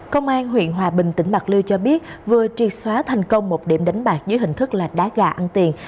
công an huyện hòa bình tỉnh bạc liêu cho biết vừa triệt xóa thành công một điểm đánh bạc dưới hình thức là đá gà ăn tiền